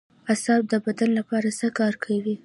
اعصاب د بدن لپاره څه کار کوي